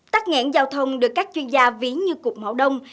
tắt ngãn giao thông được các chuyên gia ví như cục mão đông